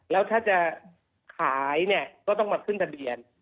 และถ้าจะขายก็ต้องมาขึ้นทะเบียน